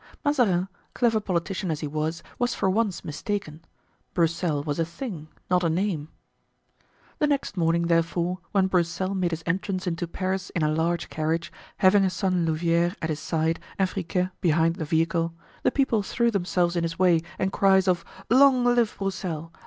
Mazarin, clever politician as he was, was for once mistaken; Broussel was a thing, not a name. The next morning, therefore, when Broussel made his entrance into Paris in a large carriage, having his son Louvieres at his side and Friquet behind the vehicle, the people threw themselves in his way and cries of "Long live Broussel!"